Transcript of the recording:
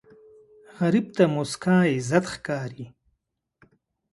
غریب ته موسکا عزت ښکاري